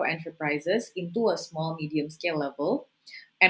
menjadi perusahaan di tingkat kecil dan sederhana